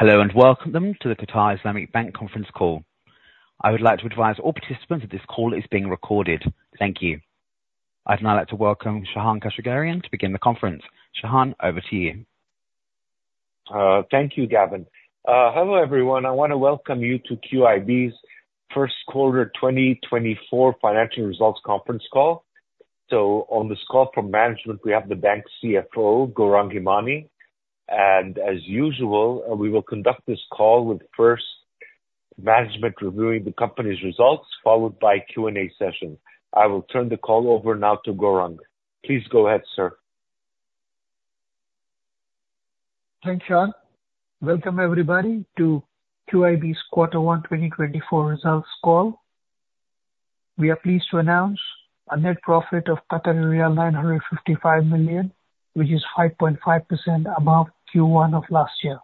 Hello and welcome to the Qatar Islamic Bank conference call. I would like to advise all participants that this call is being recorded. Thank you. I'd now like to welcome Shahan Keushgerian to begin the conference. Shahan, over to you. Thank you, Gavin. Hello everyone. I want to welcome you to QIB's First Quarter 2024 Financial Results Conference Call. So on this call from management, we have the bank's CFO, Gourang Hemani. And as usual, we will conduct this call with first management reviewing the company's results, followed by a Q&A session. I will turn the call over now to Gourang. Please go ahead, sir. Thanks, Shahan. Welcome everybody to QIB's quarter one 2024 results call. We are pleased to announce a net profit of 955 million, which is 5.5% above Q1 of last year.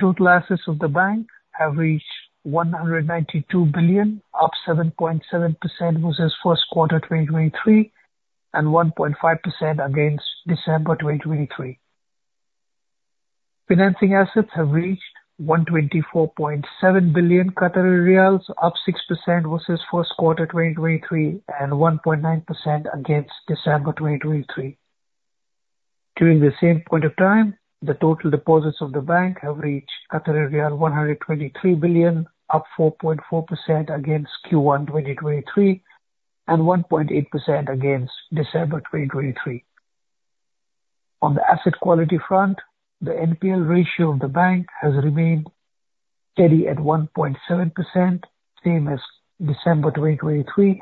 Total assets of the bank have reached 192 billion, up 7.7% versus first quarter 2023 and 1.5% against December 2023. Financing assets have reached 124.7 billion Qatari riyals, up 6% versus first quarter 2023 and 1.9% against December 2023. During the same point of time, the total deposits of the bank have reached 123 billion, up 4.4% against Q1 2023 and 1.8% against December 2023. On the asset quality front, the NPL ratio of the bank has remained steady at 1.7%, same as December 2023,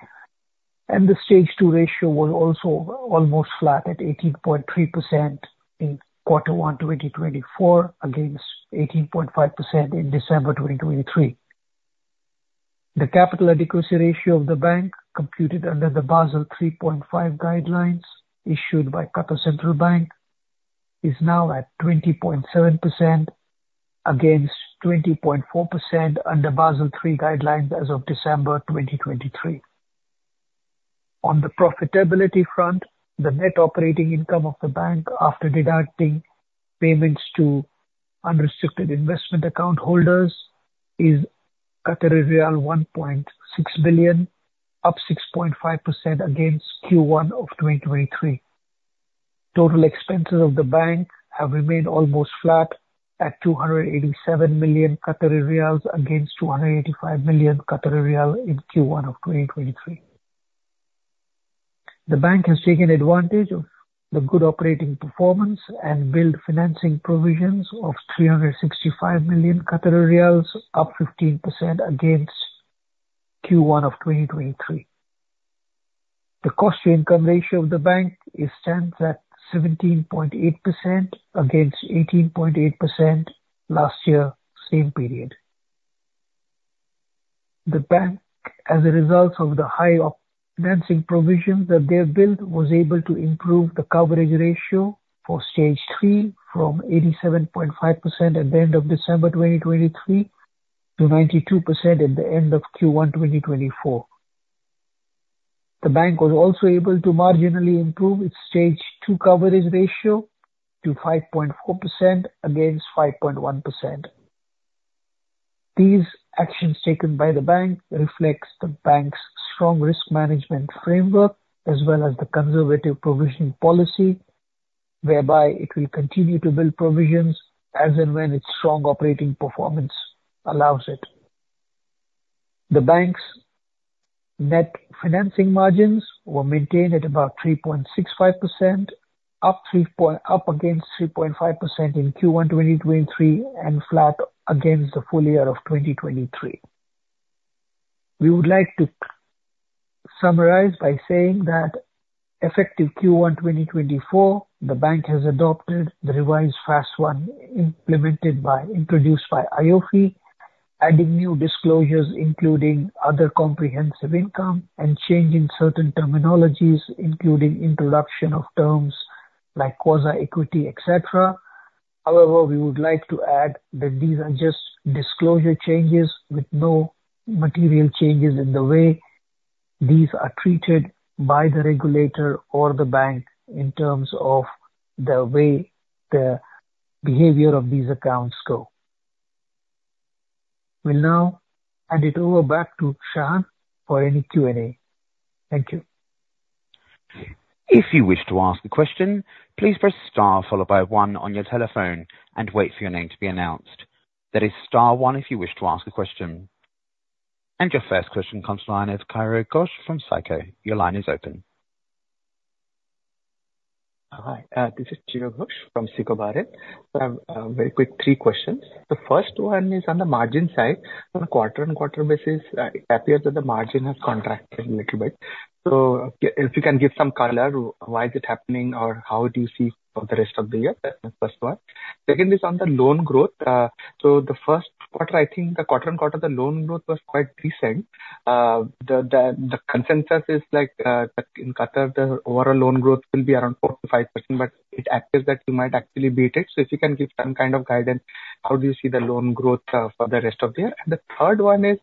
and the Stage two ratio was also almost flat at 18.3% in quarter one 2024 against 18.5% in December 2023. The capital adequacy ratio of the bank, computed under the Basel 3.5 guidelines issued by Qatar Central Bank, is now at 20.7% against 20.4% under Basel III guidelines as of December 2023. On the profitability front, the net operating income of the bank after deducting payments to unrestricted investment account holders is 1.6 billion, up 6.5% against Q1 of 2023. Total expenses of the bank have remained almost flat at 287 million Qatari riyals against 285 million Qatari riyal in Q1 of 2023. The bank has taken advantage of the good operating performance and built financing provisions of 365 million riyals, up 15% against Q1 of 2023. The cost-to-income ratio of the bank is stands at 17.8% against 18.8% last year, same period. The bank, as a result of the high financing provisions that they have built, was able to improve the coverage ratio for Stage three from 87.5% at the end of December 2023 to 92% at the end of Q1 2024. The bank was also able to marginally improve its Stage two coverage ratio to 5.4% against 5.1%. These actions taken by the bank reflect the bank's strong risk management framework as well as the conservative provisioning policy, whereby it will continue to build provisions as and when its strong operating performance allows it. The bank's net financing margins were maintained at about 3.65%, up against 3.5% in Q1 2023 and flat against the full year of 2023. We would like to summarize by saying that effective Q1 2024, the bank has adopted the revised FAS 1 introduced by AAOIFI, adding new disclosures including other comprehensive income and changing certain terminologies including introduction of terms like quasi-equity, etc. However, we would like to add that these are just disclosure changes with no material changes in the way these are treated by the regulator or the bank in terms of the way the behavior of these accounts go. We'll now hand it over back to Shahan for any Q&A. Thank you. If you wish to ask a question, please press star followed by one on your telephone and wait for your name to be announced. That is star one if you wish to ask a question. Your first question comes to line is Chiro Ghosh from SICO. Your line is open. All right. This is Chiro Ghosh from SICO Bahrain. I have very quick three questions. The first one is on the margin side. On a quarter-on-quarter basis, it appears that the margin has contracted a little bit. So if you can give some color, why is it happening or how do you see for the rest of the year? That's my first one. Second is on the loan growth. So the first quarter, I think the quarter-on-quarter the loan growth was quite decent. The consensus is in Qatar, the overall loan growth will be around 45%, but it appears that you might actually beat it. So if you can give some kind of guidance, how do you see the loan growth for the rest of the year? And the third one is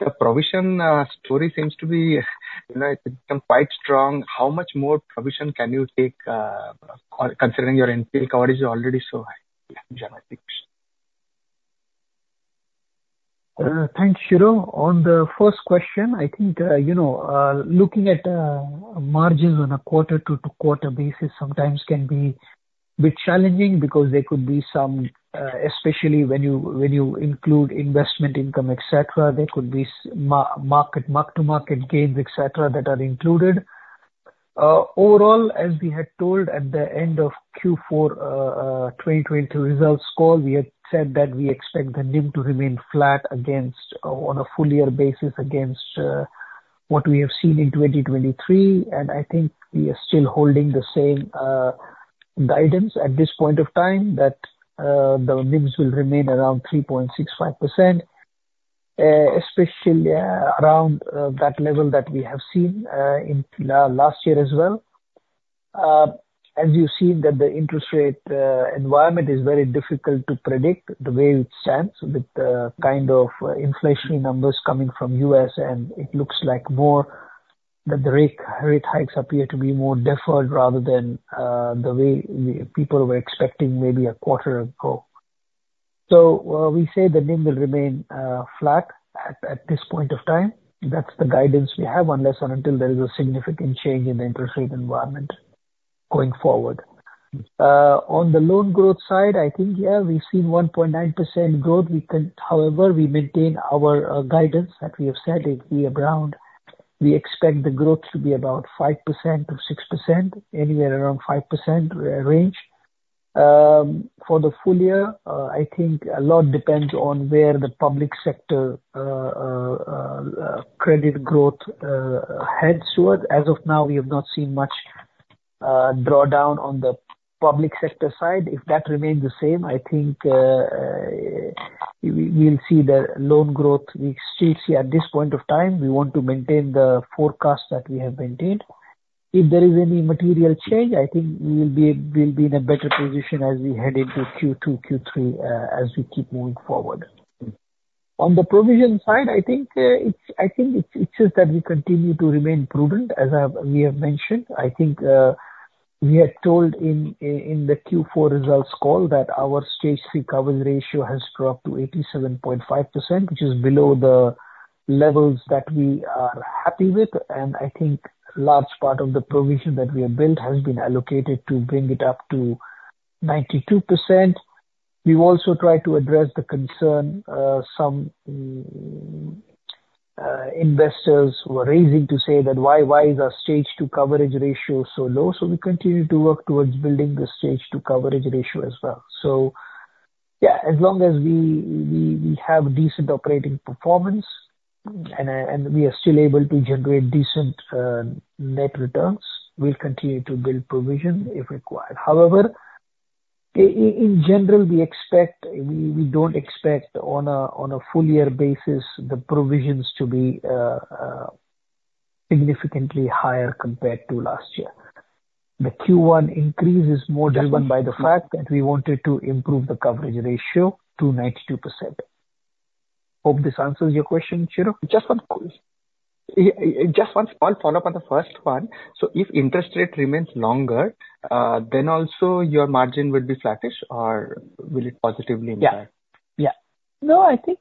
the provision story seems to be quite strong. How much more provision can you take considering your NPL coverage is already so high? Thanks, Chiro. On the first question, I think looking at margins on a quarter-to-quarter basis sometimes can be a bit challenging because there could be some, especially when you include investment income, etc., there could be mark-to-market gains, etc., that are included. Overall, as we had told at the end of Q4 2022 results call, we had said that we expect the NIM to remain flat on a full year basis against what we have seen in 2023. And I think we are still holding the same guidance at this point of time that the NIMs will remain around 3.65%, especially around that level that we have seen last year as well. As you've seen, that the interest rate environment is very difficult to predict the way it stands with the kind of inflationary numbers coming from the U.S., and it looks like the rate hikes appear to be more deferred rather than the way people were expecting maybe a quarter ago. So we say the NIM will remain flat at this point of time. That's the guidance we have unless or until there is a significant change in the interest rate environment going forward. On the loan growth side, I think, yeah, we've seen 1.9% growth. However, we maintain our guidance that we have said is be around we expect the growth to be about 5%-6%, anywhere around 5% range. For the full year, I think a lot depends on where the public sector credit growth heads toward. As of now, we have not seen much drawdown on the public sector side. If that remains the same, I think we'll see the loan growth we still see at this point of time. We want to maintain the forecast that we have maintained. If there is any material change, I think we'll be in a better position as we head into Q2, Q3, as we keep moving forward. On the provision side, I think it's just that we continue to remain prudent. As we have mentioned, I think we had told in the Q4 results call that our Stage three coverage ratio has dropped to 87.5%, which is below the levels that we are happy with. And I think a large part of the provision that we have built has been allocated to bring it up to 92%. We've also tried to address the concern some investors were raising to say that, "Why is our Stage two coverage ratio so low?" So we continue to work towards building the Stage two coverage ratio as well. So yeah, as long as we have decent operating performance and we are still able to generate decent net returns, we'll continue to build provision if required. However, in general, we don't expect on a full year basis the provisions to be significantly higher compared to last year. The Q1 increase is more driven by the fact that we wanted to improve the coverage ratio to 92%. Hope this answers your question, Chiro. Just one quick question. Just one small follow-up on the first one. So if interest rate remains longer, then also your margin would be flattish, or will it positively impact? Yeah. Yeah. No, I think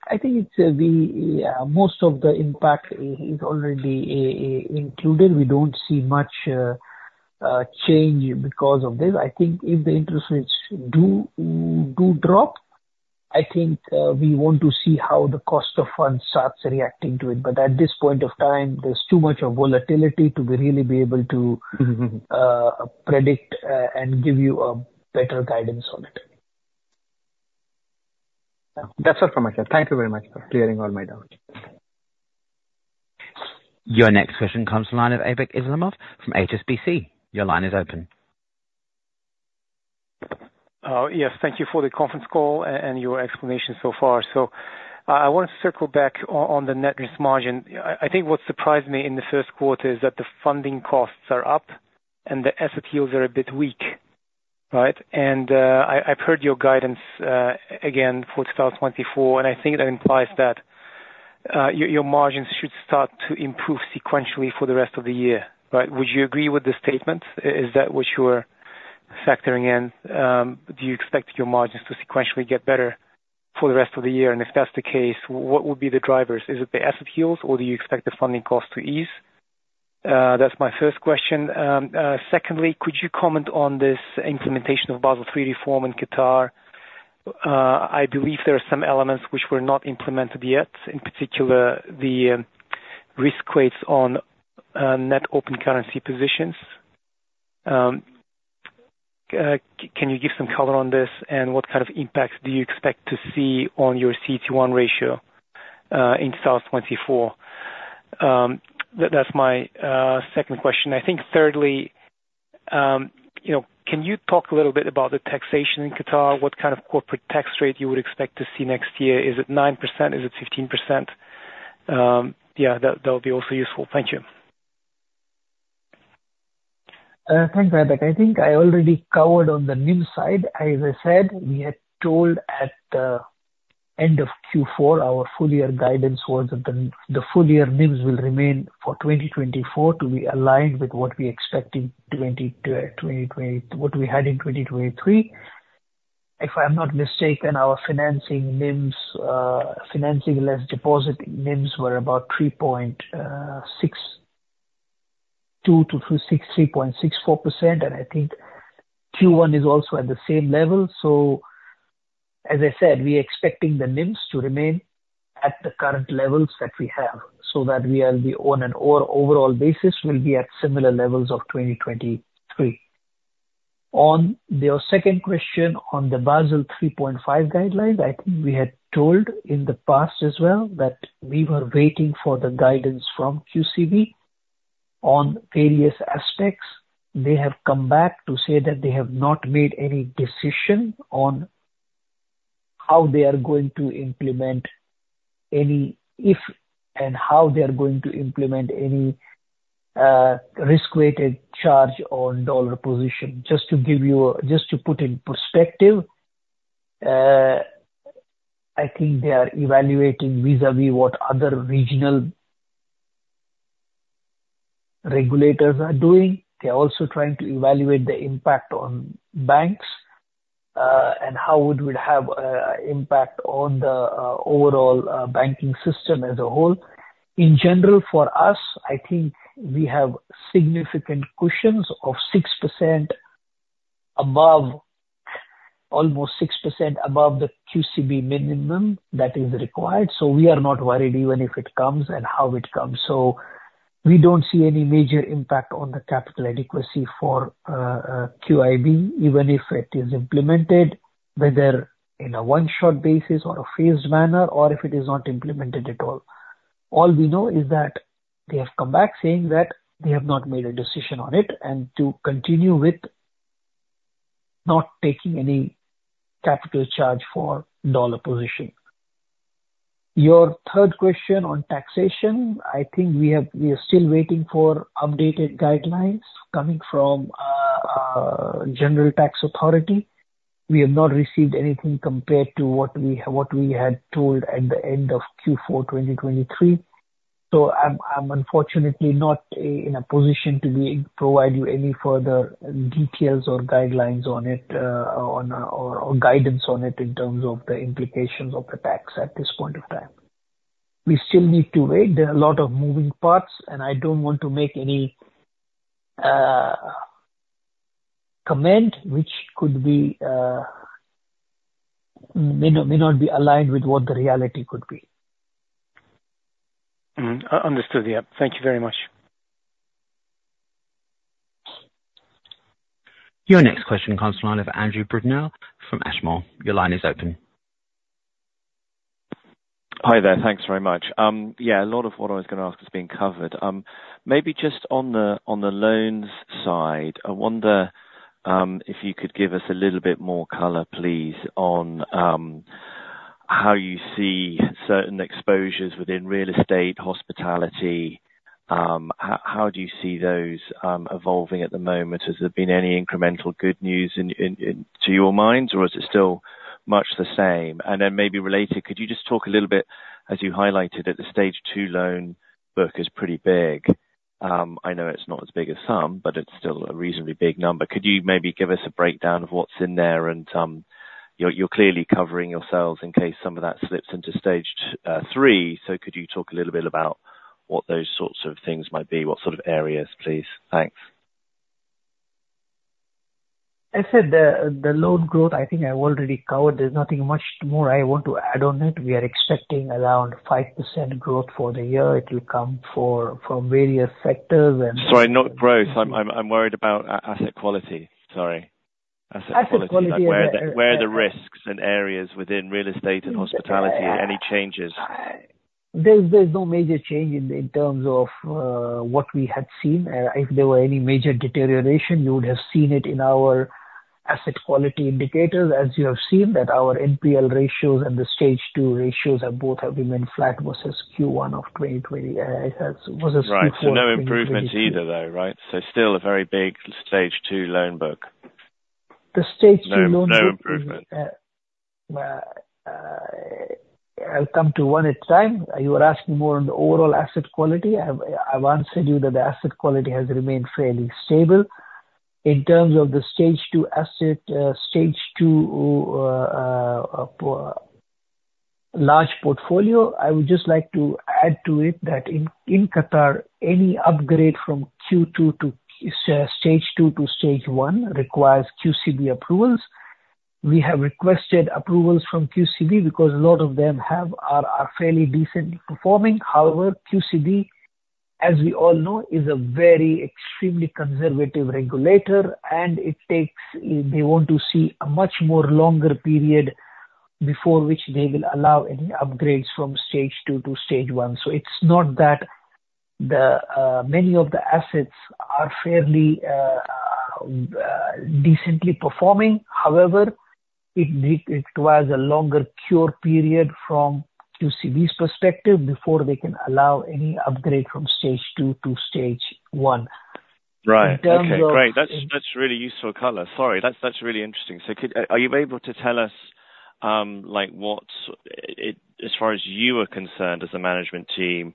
most of the impact is already included. We don't see much change because of this. I think if the interest rates do drop, I think we want to see how the cost of funds starts reacting to it. But at this point of time, there's too much volatility to really be able to predict and give you a better guidance on it. That's all from my side. Thank you very much for clearing all my doubts. Your next question comes to line is Aybek Islamov from HSBC. Your line is open. Yes. Thank you for the conference call and your explanation so far. So I want to circle back on the net financing margin. I think what surprised me in the first quarter is that the funding costs are up and the asset yields are a bit weak, right? And I've heard your guidance again for 2024, and I think that implies that your margins should start to improve sequentially for the rest of the year, right? Would you agree with the statement? Is that what you were factoring in? Do you expect your margins to sequentially get better for the rest of the year? And if that's the case, what would be the drivers? Is it the asset yields, or do you expect the funding costs to ease? That's my first question. Secondly, could you comment on this implementation of Basel III reform in Qatar? I believe there are some elements which were not implemented yet, in particular the risk weights on net open currency positions. Can you give some color on this, and what kind of impacts do you expect to see on your CT1 ratio in 2024? That's my second question. I think thirdly, can you talk a little bit about the taxation in Qatar? What kind of corporate tax rate you would expect to see next year? Is it 9%? Is it 15%? Yeah, that'll be also useful. Thank you. Thanks, Aybek. I think I already covered on the NIM side. As I said, we had told at the end of Q4 our full year guidance was that the full year NIMs will remain for 2024 to be aligned with what we expected what we had in 2023. If I'm not mistaken, our financing less deposit NIMs were about 3.62%-3.64%, and I think Q1 is also at the same level. So as I said, we are expecting the NIMs to remain at the current levels that we have so that we will be on an overall basis will be at similar levels of 2023. On your second question on the Basel 3.5 guidelines, I think we had told in the past as well that we were waiting for the guidance from QCB on various aspects. They have come back to say that they have not made any decision on how they are going to implement any if and how they are going to implement any risk-weighted charge on dollar position. Just to give you just to put in perspective, I think they are evaluating vis-à-vis what other regional regulators are doing. They are also trying to evaluate the impact on banks and how it would have an impact on the overall banking system as a whole. In general, for us, I think we have significant cushions of almost 6% above the QCB minimum that is required. So we are not worried even if it comes and how it comes. So we don't see any major impact on the capital adequacy for QIB even if it is implemented, whether in a one-shot basis or a phased manner or if it is not implemented at all. All we know is that they have come back saying that they have not made a decision on it and to continue with not taking any capital charge for dollar position. Your third question on taxation, I think we are still waiting for updated guidelines coming from General Tax Authority. We have not received anything compared to what we had told at the end of Q4 2023. So I'm unfortunately not in a position to provide you any further details or guidelines on it or guidance on it in terms of the implications of the tax at this point of time. We still need to wait. There are a lot of moving parts, and I don't want to make any comment which may not be aligned with what the reality could be. Understood. Yeah. Thank you very much. Your next question comes to line of Andrew Brudenell from Ashmore. Your line is open. Hi there. Thanks very much. Yeah, a lot of what I was going to ask has been covered. Maybe just on the loans side, I wonder if you could give us a little bit more color, please, on how you see certain exposures within real estate, hospitality. How do you see those evolving at the moment? Has there been any incremental good news to your minds, or is it still much the same? And then maybe related, could you just talk a little bit as you highlighted that the Stage two loan book is pretty big. I know it's not as big as some, but it's still a reasonably big number. Could you maybe give us a breakdown of what's in there? And you're clearly covering yourselves in case some of that slips into Stage three. So could you talk a little bit about what those sorts of things might be? What sort of areas, please? Thanks. I said the loan growth, I think I've already covered. There's nothing much more I want to add on it. We are expecting around 5% growth for the year. It will come from various sectors and. Sorry, not growth. I'm worried about asset quality. Sorry. Asset quality is like. Asset quality is like. Where are the risks and areas within real estate and hospitality? Any changes? There's no major change in terms of what we had seen. If there were any major deterioration, you would have seen it in our asset quality indicators, as you have seen that our NPL ratios and the Stage two ratios have both remained flat versus Q1 of 2020 versus Q4. Right. So no improvement either, though, right? So still a very big Stage two loan book. The Stage two loan book. No improvement. I'll come to one at a time. You were asking more on the overall asset quality. I've answered you that the asset quality has remained fairly stable. In terms of the Stage two asset Stage two large portfolio, I would just like to add to it that in Qatar, any upgrade from Stage two to Stage one requires QCB approvals. We have requested approvals from QCB because a lot of them are fairly decently performing. However, QCB, as we all know, is a very extremely conservative regulator, and they want to see a much longer period before which they will allow any upgrades from Stage two to Stage one. So it's not that many of the assets are fairly decently performing. However, it requires a longer cure period from QCB's perspective before they can allow any upgrade from Stage two to Stage one. Right. Okay. Great. That's really useful color. Sorry. That's really interesting. So are you able to tell us as far as you are concerned as a management team,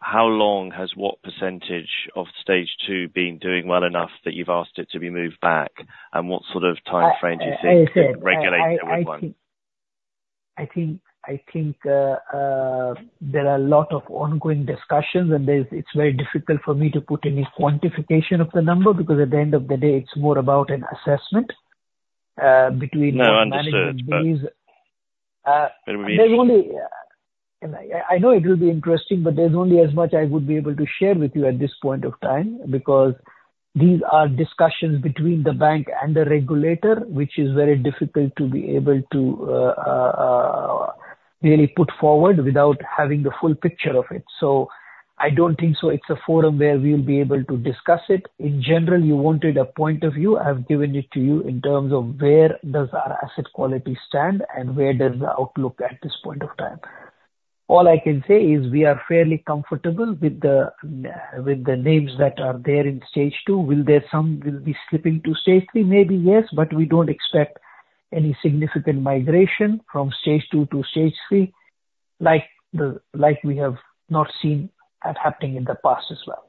how long has what percentage of Stage two been doing well enough that you've asked it to be moved back, and what sort of time frame do you think the regulator would want? I think there are a lot of ongoing discussions, and it's very difficult for me to put any quantification of the number because at the end of the day, it's more about an assessment between management. No, understood. But it would be. I know it will be interesting, but there's only as much I would be able to share with you at this point of time because these are discussions between the bank and the regulator, which is very difficult to be able to really put forward without having the full picture of it. I don't think so. It's a forum where we'll be able to discuss it. In general, you wanted a point of view. I've given it to you in terms of where does our asset quality stand and where does the outlook at this point of time? All I can say is we are fairly comfortable with the names that are there in Stage two. Will there be some slipping to Stage three? Maybe, yes, but we don't expect any significant migration from Stage two to Stage three like we have not seen happening in the past as well.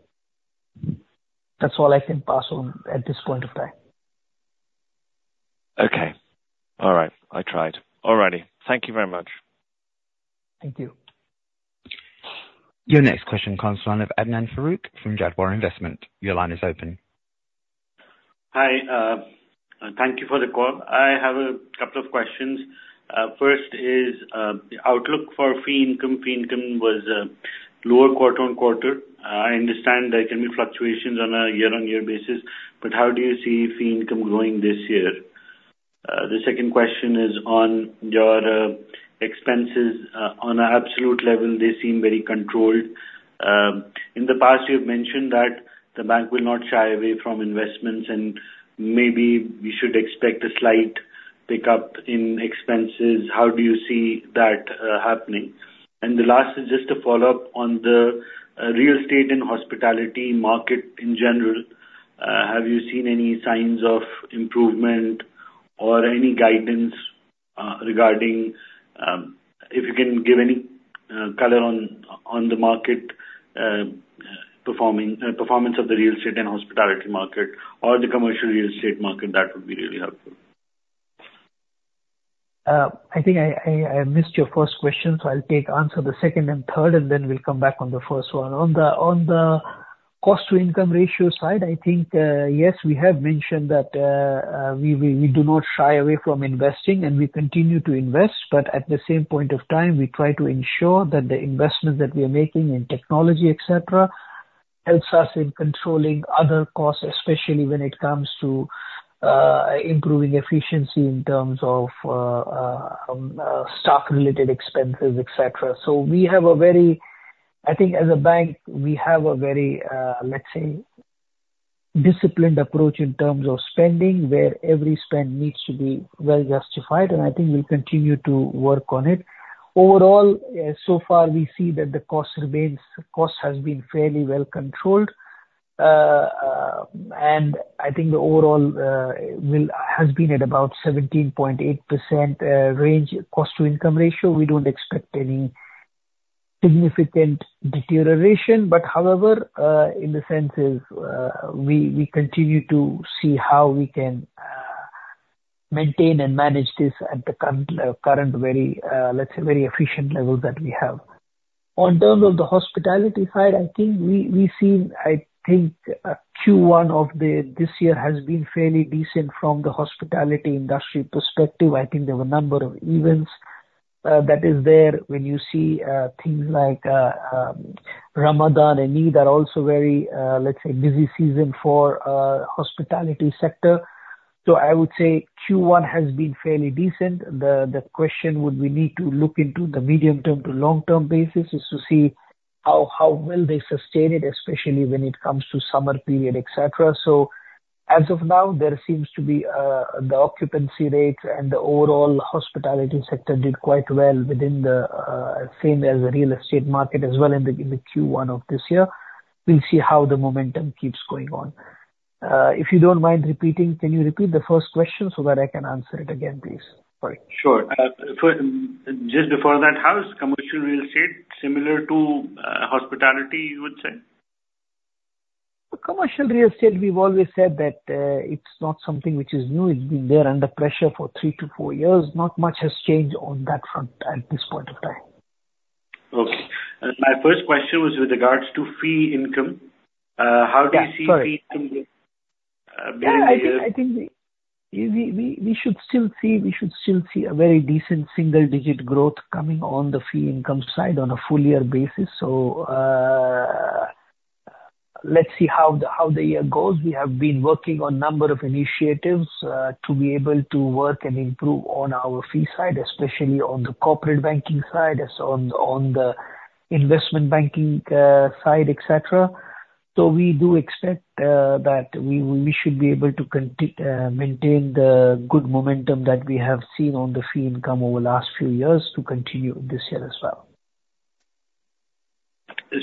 That's all I can pass on at this point of time. Okay. All right. I tried. All righty. Thank you very much. Thank you. Your next question comes to line of Adnan Farooq from Jadwa Investment. Your line is open. Hi. Thank you for the call. I have a couple of questions. First is the outlook for fee income. Fee income was lower quarter-on-quarter. I understand there can be fluctuations on a year-on-year basis, but how do you see fee income growing this year? The second question is on your expenses. On an absolute level, they seem very controlled. In the past, you have mentioned that the bank will not shy away from investments, and maybe we should expect a slight pickup in expenses. How do you see that happening? The last is just a follow-up on the real estate and hospitality market in general. Have you seen any signs of improvement or any guidance regarding if you can give any color on the market performance of the real estate and hospitality market or the commercial real estate market, that would be really helpful. I think I missed your first question, so I'll answer the second and third, and then we'll come back on the first one. On the cost-to-income ratio side, I think, yes, we have mentioned that we do not shy away from investing, and we continue to invest. But at the same point of time, we try to ensure that the investments that we are making in technology, etc., helps us in controlling other costs, especially when it comes to improving efficiency in terms of staff-related expenses, etc. So we have a very I think as a bank, we have a very, let's say, disciplined approach in terms of spending where every spend needs to be well justified, and I think we'll continue to work on it. Overall, so far, we see that the cost has been fairly well controlled, and I think the overall has been at about 17.8% cost-to-income ratio. We don't expect any significant deterioration. But however, in essence, we continue to see how we can maintain and manage this at the current, let's say, very efficient levels that we have. In terms of the hospitality side, I think we see I think Q1 of this year has been fairly decent from the hospitality industry perspective. I think there were a number of events that were there when you see things like Ramadan and Eid are also very, let's say, busy season for the hospitality sector. So I would say Q1 has been fairly decent. The question would be we need to look into the medium-term to long-term basis is to see how well they sustain it, especially when it comes to summer period, etc. So as of now, there seems to be the occupancy rates and the overall hospitality sector did quite well within the same as the real estate market as well in the Q1 of this year. We'll see how the momentum keeps going on. If you don't mind repeating, can you repeat the first question so that I can answer it again, please? Sorry. Sure. Just before that, how is commercial real estate similar to hospitality, you would say? Commercial real estate, we've always said that it's not something which is new. It's been there under pressure for three to four years. Not much has changed on that front at this point of time. Okay. My first question was with regards to fee income. How do you see fee income during the year? I think we should still see a very decent single-digit growth coming on the fee income side on a full-year basis. Let's see how the year goes. We have been working on a number of initiatives to be able to work and improve on our fee side, especially on the corporate banking side, on the investment banking side, etc. We do expect that we should be able to maintain the good momentum that we have seen on the fee income over the last few years to continue this year as well.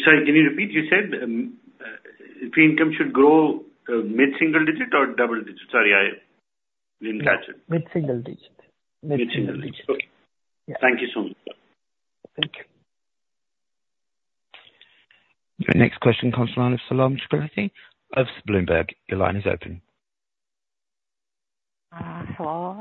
Sorry, can you repeat? You said fee income should grow mid-single digit or double digit? Sorry, I didn't catch it. Mid-single digit. Mid-single digit. Mid-single digit. Okay. Thank you so much. Thank you. Your next question comes to line of Salim Taghlat of Bloomberg. Your line is open. Hello.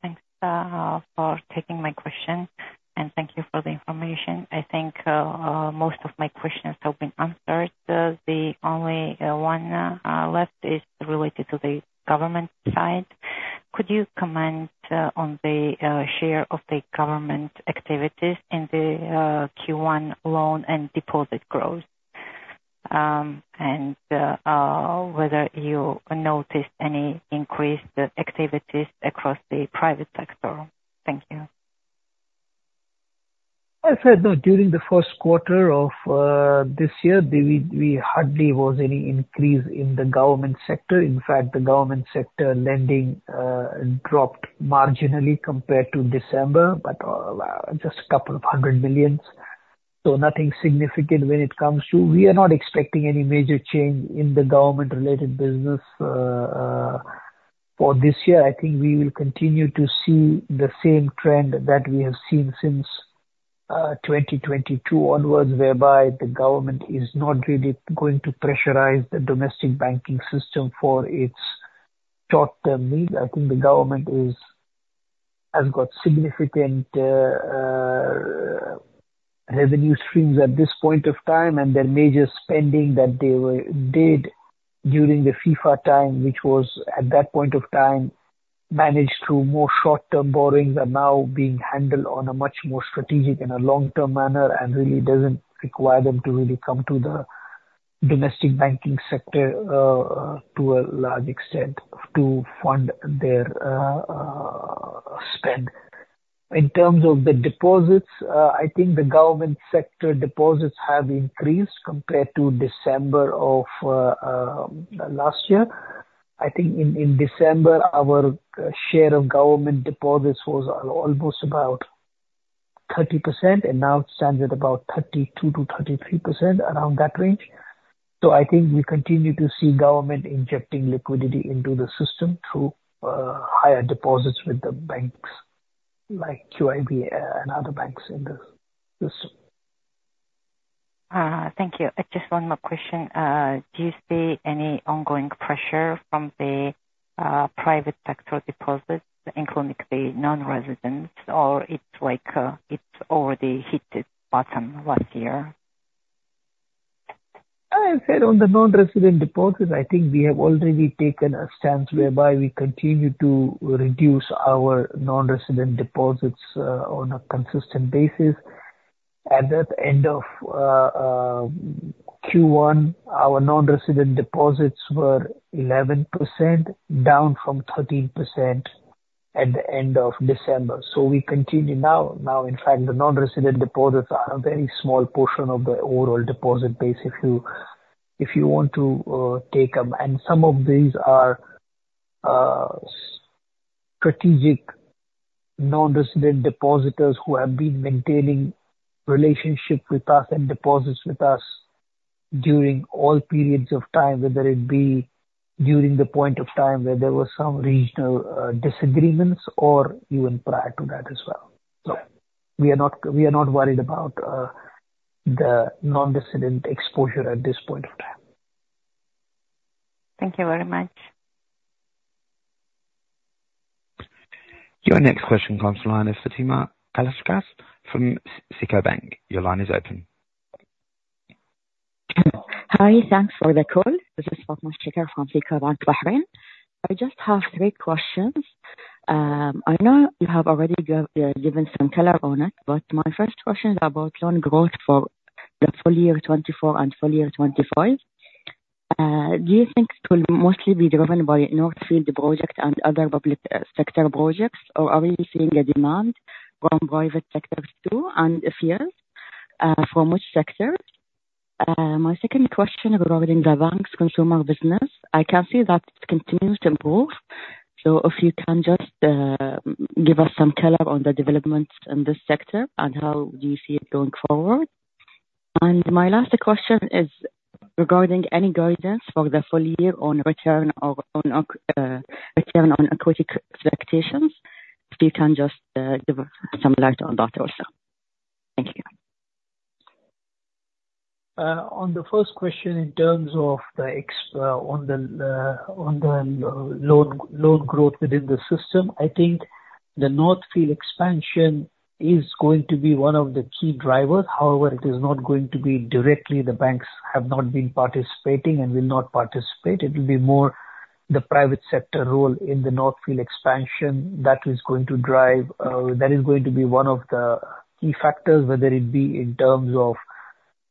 Thanks for taking my question, and thank you for the information. I think most of my questions have been answered. The only one left is related to the government side. Could you comment on the share of the government activities in the Q1 loan and deposit growth and whether you noticed any increased activities across the private sector? Thank you. I said during the first quarter of this year, hardly was any increase in the government sector. In fact, the government sector lending dropped marginally compared to December, but just 200 million. So nothing significant when it comes to; we are not expecting any major change in the government-related business for this year. I think we will continue to see the same trend that we have seen since 2022 onward, whereby the government is not really going to pressurize the domestic banking system for its short-term needs. I think the government has got significant revenue streams at this point of time, and their major spending that they did during the FIFA time, which was at that point of time managed through more short-term borrowings, are now being handled on a much more strategic and a long-term manner and really doesn't require them to really come to the domestic banking sector to a large extent to fund their spend. In terms of the deposits, I think the government sector deposits have increased compared to December of last year. I think in December, our share of government deposits was almost about 30%, and now it stands at about 32%-33%, around that range. I think we continue to see government injecting liquidity into the system through higher deposits with the banks like QIB and other banks in the system. Thank you. Just one more question. Do you see any ongoing pressure from the private sector deposits, including the non-residents, or it's already hit its bottom last year? As I said, on the non-resident deposits, I think we have already taken a stance whereby we continue to reduce our non-resident deposits on a consistent basis. At the end of Q1, our non-resident deposits were 11%, down from 13% at the end of December. So we continue now. Now, in fact, the non-resident deposits are a very small portion of the overall deposit base if you want to take them. And some of these are strategic non-resident depositors who have been maintaining relationships with us and deposits with us during all periods of time, whether it be during the point of time where there were some regional disagreements or even prior to that as well. So we are not worried about the non-resident exposure at this point of time. Thank you very much. Your next question comes to the line of Fadwa Al Askar from SICO Bank. Your line is open. Hi. Thanks for the call. This is Fatima Shaker from SICO BSC, Bahrain. I just have three questions. I know you have already given some color on it, but my first question is about loan growth for the full year 2024 and full year 2025. Do you think it will mostly be driven by North Field project and other public sector projects, or are we seeing a demand from private sectors too and FIIs from which sectors? My second question regarding the bank's consumer business, I can see that it continues to improve. So if you can just give us some color on the developments in this sector and how do you see it going forward? And my last question is regarding any guidance for the full year on return on equity expectations. If you can just give some light on that also. Thank you. On the first question, in terms of the loan growth within the system, I think the North Field Expansion is going to be one of the key drivers. However, it is not going to be directly; the banks have not been participating and will not participate. It will be more the private sector role in the North Field Expansion that is going to drive that is going to be one of the key factors, whether it be in terms of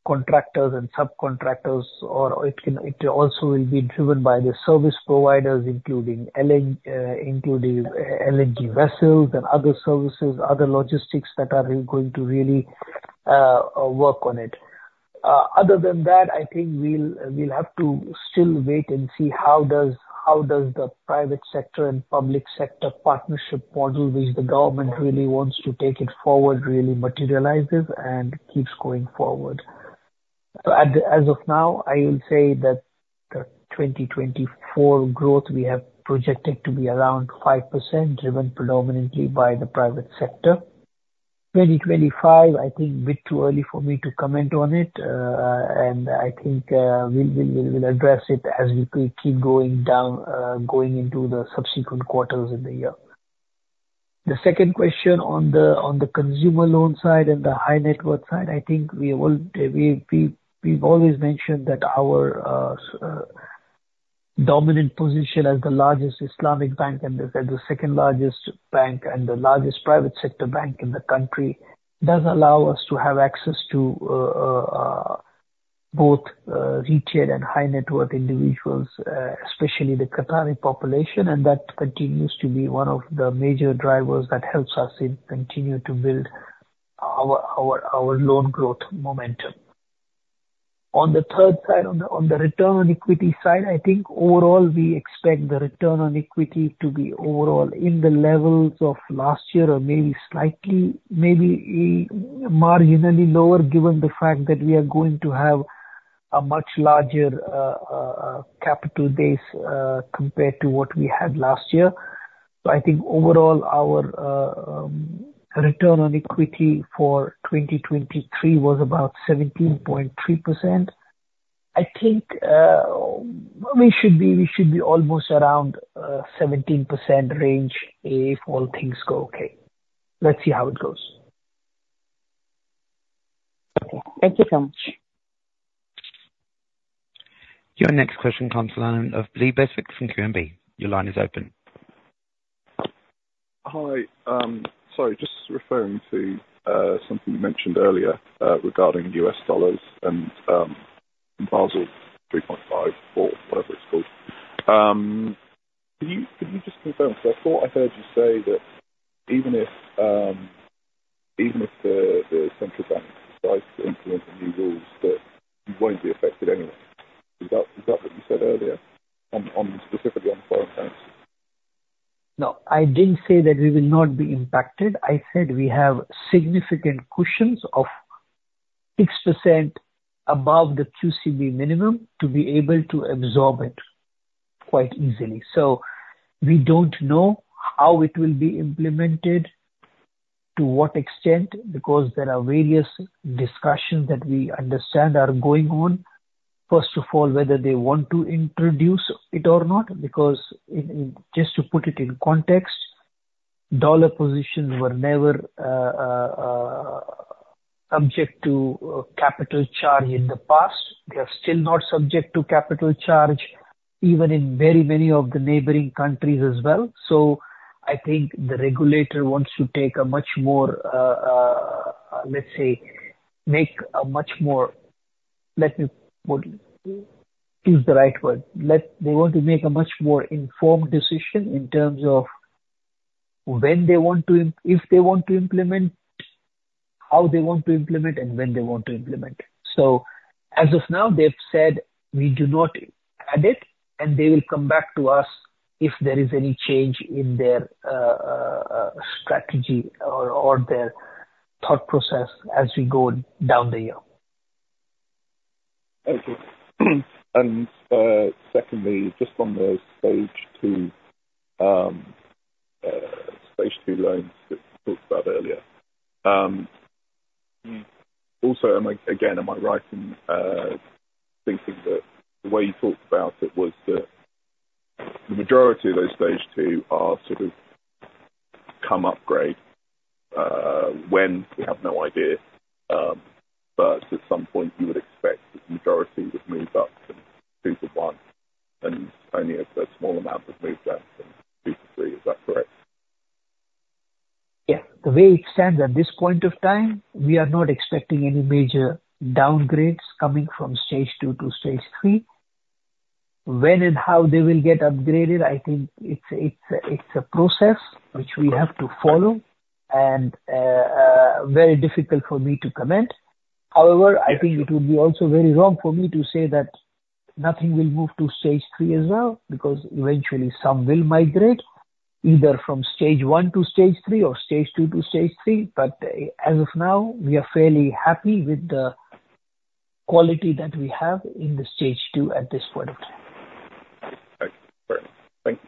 contractors and subcontractors, or it also will be driven by the service providers, including LNG vessels and other services, other logistics that are going to really work on it. Other than that, I think we'll have to still wait and see how does the private sector and public sector partnership model, which the government really wants to take it forward, really materialize this and keeps going forward. As of now, I will say that the 2024 growth we have projected to be around 5%, driven predominantly by the private sector. 2025, I think a bit too early for me to comment on it, and I think we'll address it as we keep going into the subsequent quarters in the year. The second question on the consumer loan side and the high-net-worth side, I think we've always mentioned that our dominant position as the largest Islamic bank and the second-largest bank and the largest private sector bank in the country does allow us to have access to both retail and high-net-worth individuals, especially the Qatari population, and that continues to be one of the major drivers that helps us continue to build our loan growth momentum. On the third side, on the return on equity side, I think overall, we expect the return on equity to be overall in the levels of last year or maybe slightly, maybe marginally lower given the fact that we are going to have a much larger capital base compared to what we had last year. So I think overall, our return on equity for 2023 was about 17.3%. I think we should be almost around 17% range if all things go okay. Let's see how it goes. Okay. Thank you so much. Your next question comes to line of Lee Beswick from QNB. Your line is open. Hi. Sorry, just referring to something you mentioned earlier regarding U.S. dollars and Basel 3.5 or whatever it's called. Could you just confirm? Because I thought I heard you say that even if the central bank decides to implement the new rules, that you won't be affected anyway. Is that what you said earlier, specifically on foreign currency? No, I didn't say that we will not be impacted. I said we have significant cushions of 6% above the QCB minimum to be able to absorb it quite easily. So we don't know how it will be implemented, to what extent, because there are various discussions that we understand are going on, first of all, whether they want to introduce it or not. Because just to put it in context, dollar positions were never subject to capital charge in the past. They are still not subject to capital charge, even in very many of the neighboring countries as well. So I think the regulator wants to take a much more let's say, make a much more let me choose the right word. They want to make a much more informed decision in terms of when they want to if they want to implement, how they want to implement, and when they want to implement. As of now, they've said, "We do not add it," and they will come back to us if there is any change in their strategy or their thought process as we go down the year. Okay. Secondly, just on the Stage two loans that we talked about earlier, also, again, am I right in thinking that the way you talked about it was that the majority of those Stage two are sort of come upgrade when? We have no idea. But at some point, you would expect the majority would move up from two to one, and only a small amount would move down from two to three. Is that correct? Yeah. The way it stands at this point of time, we are not expecting any major downgrades coming from Stage two to Stage three. When and how they will get upgraded, I think it's a process which we have to follow and very difficult for me to comment. However, I think it would be also very wrong for me to say that nothing will move to Stage three as well because eventually, some will migrate either from Stage one to Stage three or Stage two to Stage three. But as of now, we are fairly happy with the quality that we have in the Stage two at this point of time. Okay. Fair enough. Thanks.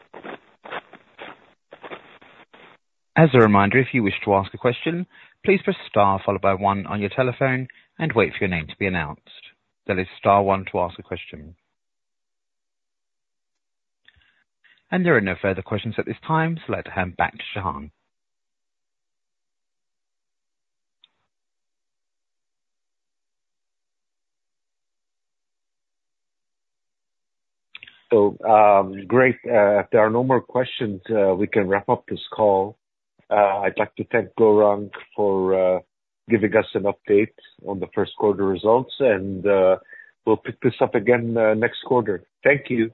As a reminder, if you wish to ask a question, please press star followed by one on your telephone and wait for your name to be announced. There is star one to ask a question. There are no further questions at this time, so I'd like to hand back to Shahan. So, great. If there are no more questions, we can wrap up this call. I'd like to thank Gourang for giving us an update on the first quarter results, and we'll pick this up again next quarter. Thank you.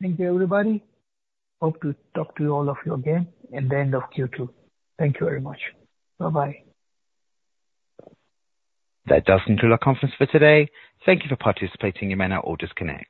Thank you, everybody. Hope to talk to you all again at the end of Q2. Thank you very much. Bye-bye. That does conclude our conference for today. Thank you for participating. You may now disconnect.